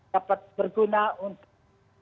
dapat berguna untuk